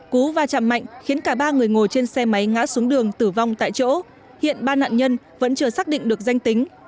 cú và chạm mạnh khiến cả ba người ngồi trên xe máy ngã xuống đường tử vong tại chỗ hiện ba nạn nhân vẫn chưa xác định được danh tính